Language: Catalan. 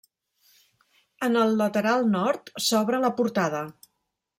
En el lateral Nord s'obre la portada.